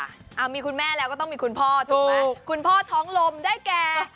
อ่ามีคุณแม่แล้วก็ต้องมีคุณพ่อถูกไหมคุณพ่อท้องลมได้แก่